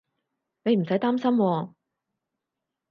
你唔使擔心喎